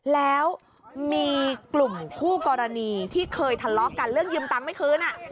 แล้วมีกลุ่มคู่กรณีที่เคยทะเลาะกันเรื่องยืมตังค์ไม่คืน